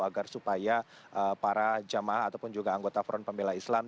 agar supaya para jamaah ataupun juga anggota front pembela islam